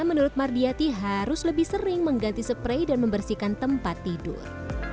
menurut mardiati harus lebih sering mengganti spray dan membersihkan tempat tidur